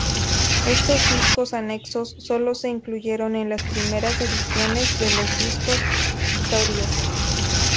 Estos discos anexos solo se incluyeron en las primeras ediciones de los discos "Stories".